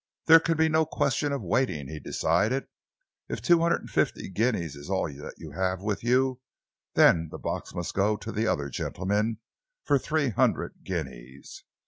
"There can be no question of waiting," he decided. "If two hundred and fifty guineas is all that you have with you, then the box must go to the other gentleman for three hundred guineas."